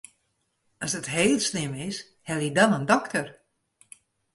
As it heel slim is, helje dan in dokter.